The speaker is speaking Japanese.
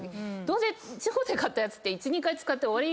どうせ地方で買ったやつって１２回使って終わり。